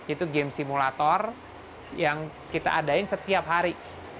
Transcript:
itu game simulator yang kita adain setiap hari